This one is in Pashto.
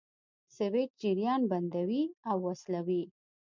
سویچ جریان بندوي او وصلوي.